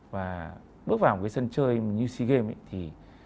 và bước vào một cái sân chơi như sea games thì